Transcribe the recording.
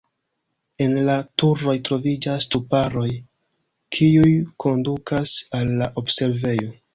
En la turoj troviĝas ŝtuparoj, kiuj kondukas al la observejo.